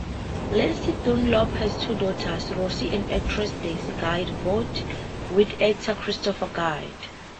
Lesley Dunlop has two daughters-Rosie and actress Daisy Guard-both with actor Christopher Guard.